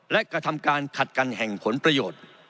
และกระทำการขัดกันแห่งผลประโยชน์